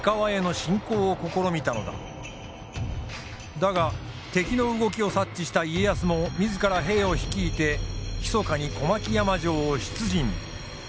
だが敵の動きを察知した家康も自ら兵を率いてひそかに小牧山城を出陣。